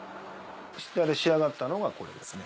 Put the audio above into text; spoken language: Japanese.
しっかり仕上がったのがこれですね。